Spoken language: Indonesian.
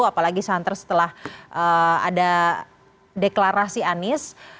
apalagi santer setelah ada deklarasi anies